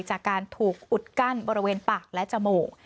จากการถูกอุดกั้นบริเวณปากและจมูก